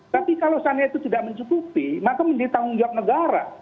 tapi kalau seandainya itu tidak mencukupi maka menjadi tanggung jawab negara